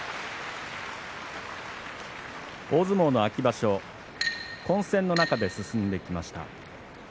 大相撲の秋場所混戦の中で進んできました。